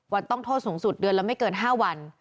ต้องโทษสูงสุดเดือนละไม่เกิน๕วัน